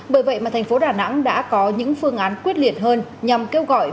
bởi vậy mà thành phố đà nẵng đã có những phương án quyết liệt hơn nhằm kêu gọi